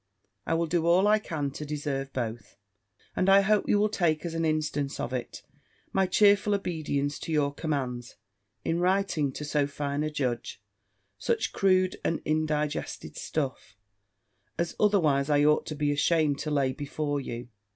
I will do all I can to deserve both. And I hope you will take as an instance of it, my cheerful obedience to your commands, in writing to so fine a judge, such crude and indigested stuff, as, otherwise I ought to be ashamed to lay before you.